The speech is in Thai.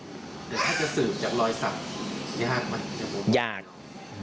ถ้าจะสืบจากรอยสักยากไหม